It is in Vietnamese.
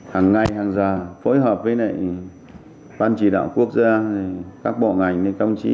hàng ngày hàng giờ phối hợp với văn chỉ đạo quốc gia các bộ ngành công chí